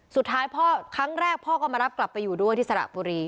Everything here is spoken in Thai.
สุดท้ายพ่อครั้งแรกพ่อก็มารับกลับไปอยู่ด้วยที่สระบุรี